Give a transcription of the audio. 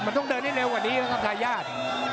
มันต้องเดินให้เร็วกว่านี้นะครับทายาท